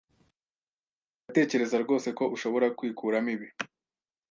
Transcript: Uratekereza rwose ko ushobora kwikuramo ibi?